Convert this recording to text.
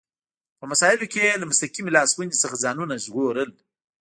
په مسایلو کې یې له مستقیمې لاس وهنې څخه ځانونه ژغورل.